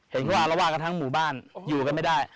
เห็นก็ว่าแล้วก็ทั้งหมู่บ้านอยู่กันไม่ได้